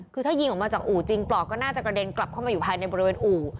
คือถ้ายิงออกมาจากอู่จริงปลอกก็น่าจะกระเด็นกลับเข้ามาอยู่ภายในบริเวณอู่